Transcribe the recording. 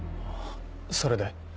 それで？